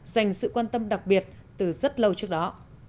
dành sự quan tâm đặc biệt từ rất lâu trước đó